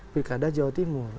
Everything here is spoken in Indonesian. pilkada jawa timur